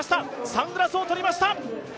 サングラスをとりました。